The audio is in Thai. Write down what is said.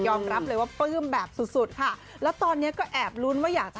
คลองได้สำเร็จยอมรับเลยว่าแบบสุดสุดค่ะแล้วตอนนี้ก็แอบลุ้นว่าอยากจะ